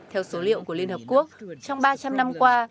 theo số liệu của liên hợp quốc trong ba trăm linh năm qua